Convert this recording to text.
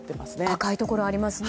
赤いところがありますね。